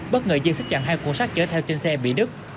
bất ngờ dân xích chặn hai cuộn sắt chở theo trên xe bị đứt